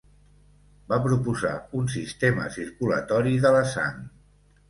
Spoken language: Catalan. Va proposar un sistema circulatori de la sang.